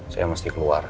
saya mesti keluar